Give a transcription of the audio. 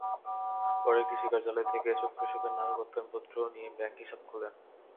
পরে কৃষি কার্যালয় থেকে এসব কৃষকের নামে প্রত্যয়নপত্র নিয়ে ব্যাংক হিসাব খোলেন।